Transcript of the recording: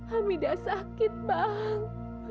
hamidah sakit bang